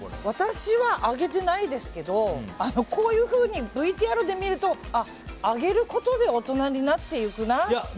私はあげてないですけどこういうふうにＶＴＲで見るとあげることで大人になっていくなと。